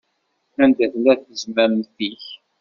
Anda tella tezmamt-ik?